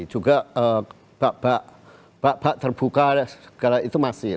juga bak bak bak terbuka segala itu masih